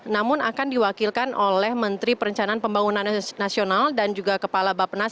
namun akan diwakilkan oleh menteri perencanaan pembangunan nasional dan juga kepala bapenas